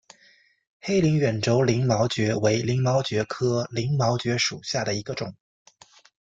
黑鳞远轴鳞毛蕨为鳞毛蕨科鳞毛蕨属下的一个种。